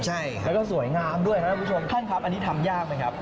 ใช่แล้วก็สวยงามด้วยครับท่านผู้ชมท่านครับอันนี้ทำยากไหมครับ